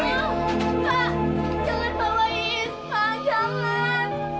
pak jangan bawa iis pak jangan